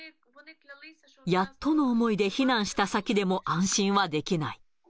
やっとの思いで避難した先でも安心はできない。